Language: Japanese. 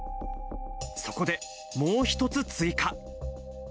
そこで、もう一つ追加。